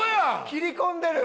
切り込んでる！